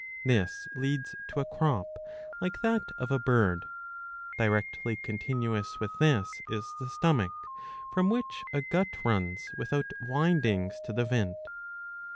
This leads to a crop, like that of a bird. Directly continuous with this is the stomach, from which a gut runs without windings to the vent.